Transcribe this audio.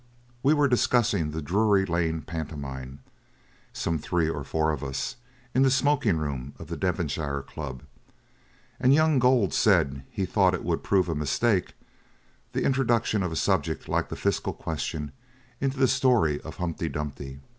"We were discussing the Drury Lane Pantomime—some three or four of us—in the smoking room of the Devonshire Club, and young Gold said he thought it would prove a mistake, the introduction of a subject like the Fiscal question into the story of Humpty Dumpty.